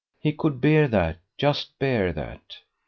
He could bear that, just bear it.